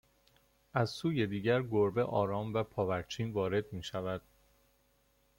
از سوی دیگر گربه آرام و پاورچین وارد میشود